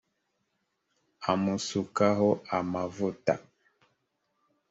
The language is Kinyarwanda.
amusukaho amavuta